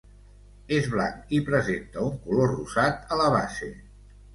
És blanc, i presenta un color rosat a la base.